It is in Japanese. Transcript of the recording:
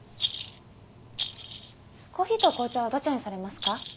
コーヒーと紅茶はどちらにされますか？